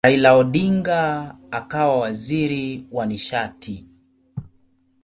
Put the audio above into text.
Raila Odinga akawa waziri wa nishati.